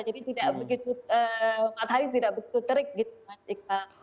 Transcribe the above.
jadi empat hari tidak begitu terik gitu mas iqbal